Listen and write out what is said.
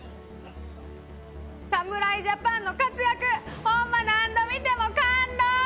侍ジャパンの活躍、ほんま、何度見ても感動。